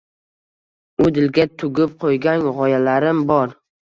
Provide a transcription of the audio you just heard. U dilga tugib qo‘ygan g‘oyalarim bor.